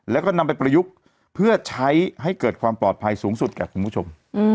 แล้วก็นำไปประยุกต์เพื่อใช้ให้เกิดความปลอดภัยสูงสุดแก่คุณผู้ชม